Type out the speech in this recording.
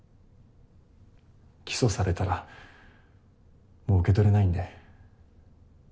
起訴されたらもう受け取れないんで。